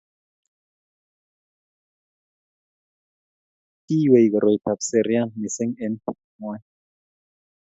kiywei koroitab serian mising' eng' ng'ony.